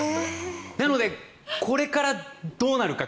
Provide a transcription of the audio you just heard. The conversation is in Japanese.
なので、これからどうなるか。